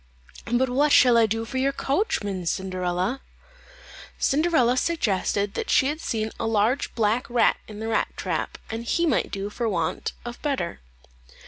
"But what shall I do for your coachman, Cinderella?" Cinderella suggested that she had seen a large black rat in the rat trap, and he might do for want of better.